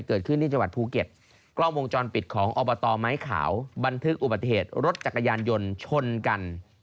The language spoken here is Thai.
เกิดขึ้นที่จังหวัดภูเก็ตกล้องวงจรปิดของอบตไม้ขาวบันทึกอุบัติเหตุรถจักรยานยนต์ชนกัน